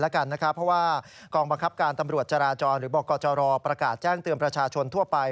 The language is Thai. เพราะว่ากองบังคับการตำรวจจราจรหรือบกจรประกาศแจ้งเตือนประชาชนทั่วไป